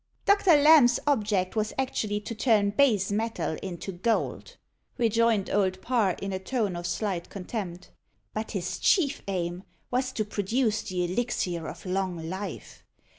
"Doctor Lamb's object was actually to turn base metal into gold," rejoined Old Parr, in a tone of slight contempt. "But his chief aim was to produce the elixir of long life.